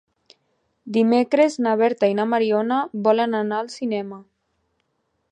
Dimecres na Berta i na Mariona volen anar al cinema.